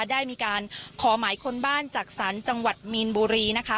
ได้มีการขอหมายค้นบ้านจากศาลจังหวัดมีนบุรีนะคะ